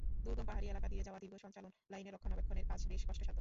দুর্গম পাহাড়ি এলাকা দিয়ে যাওয়া দীর্ঘ সঞ্চালন লাইনের রক্ষণাবেক্ষণের কাজ বেশ কষ্টসাধ্য।